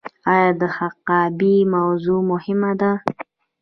آیا د حقابې موضوع مهمه ده؟